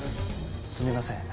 すみません。